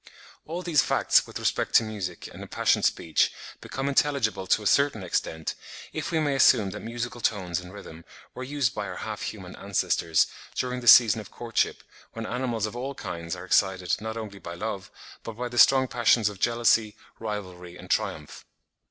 All these facts with respect to music and impassioned speech become intelligible to a certain extent, if we may assume that musical tones and rhythm were used by our half human ancestors, during the season of courtship, when animals of all kinds are excited not only by love, but by the strong passions of jealousy, rivalry, and triumph.